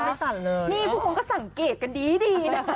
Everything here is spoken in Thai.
เออนี่คุณคงก็สังเกตกันดีนะ